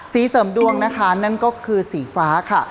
เสริมดวงนะคะนั่นก็คือสีฟ้าค่ะ